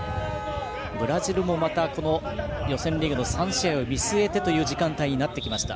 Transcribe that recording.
ブラジルもまた予選リーグの３試合を見据えてという時間帯になってきました。